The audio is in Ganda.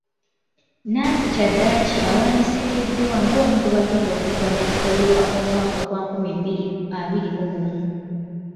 Nancy kyaddaaki awandiisikiddwa ng'omu ku bagenda okuvuganya mu kalulu ak'omwaka gwa nkumi bbiri abiri mu gumu